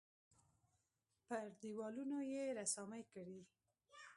پر دېوالونو یې رسامۍ کړي.